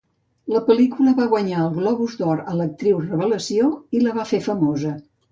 La pel·lícula va guanyar el Globus d'Or a l'actriu revelació i la va fer famosa.